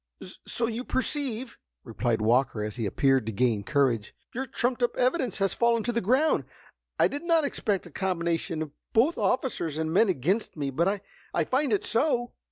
"So you perceive," replied Walker, as he appeared to gain courage, "your trumped up evidence has fallen to the ground! I did not expect a combination of both officers and men against me, but I find it so.